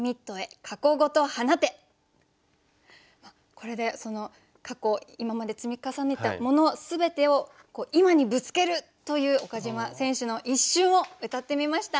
これで過去今まで積み重ねたもの全てを今にぶつけるという岡島選手の一瞬をうたってみました。